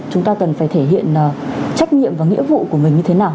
chúng ta cần phải thể hiện trách nhiệm và nghĩa vụ của mình như thế nào